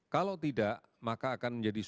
kalau tidak maka akan menjadi